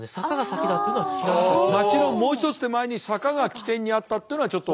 町のもう一つ手前に坂が起点にあったっていうのはちょっと。